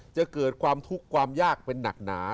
จะเกิดความทุกข์ความยากเป็นหนักหนา